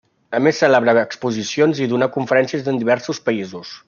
A més celebra exposicions i dóna conferències en diversos països.